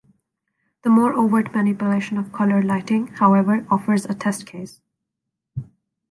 The more overt manipulation of coloured lighting, however, offers a test case.